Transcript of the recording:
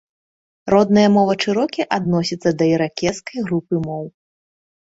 Родная мова чэрокі адносіцца да іракезскай групы моў.